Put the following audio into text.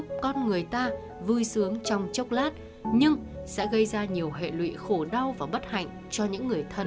khỏi công an đi đã để xem hiện trường đã